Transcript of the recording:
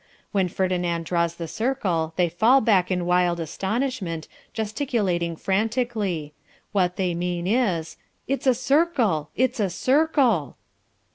When Ferdinand draws the circle they fall back in wild astonishment, gesticulating frantically. What they mean is, "It's a circle, it's a circle."